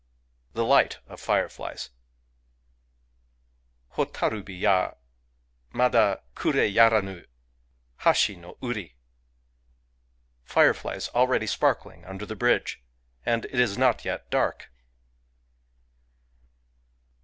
The Light of Fireflies Hotarubi ya ! Mada kureyaranu, Hashi no uri. Fireflies already sparkling under the bridge, ^^ and it is not yet dark